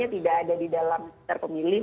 tidak ada di dalam terpemilih